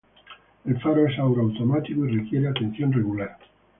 El faro es ahora automático, y requiere atención regular.